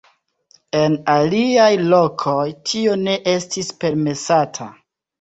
En aliaj lokoj tio ne estis permesata.